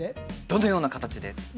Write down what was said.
どのような形で？